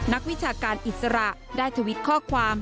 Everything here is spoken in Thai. นักวิชาการอิสระได้ทวิตข้อความ